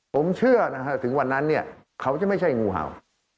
ผมเชื่อถึงวันนั้นเขาจะไม่ใช่งูเห่า